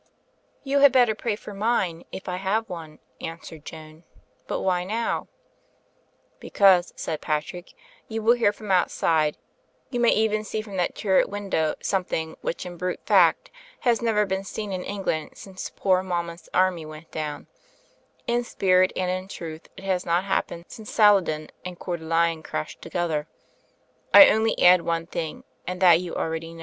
"You had better pray for mine, if I have one," answered Joan, "but why now?" "Because," said Patrick, "you will hear from out 816 Digitized by CjOOQ IC THE FINDING OF THE SUPERMAN 317 side, you may even see from that turret window some thing which in brute fact has never been seen in England since Poor Monmouth's army went down. In spirit and in truth it has not happened since Saladin and Cceur de Lion crashed together. I only add one thing, and that you know already.